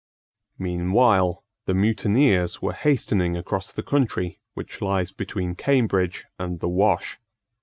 Meanwhile the mutineers were hastening across the country which lies between Cambridge and the Wash.